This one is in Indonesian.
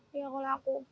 tinggal oleh aku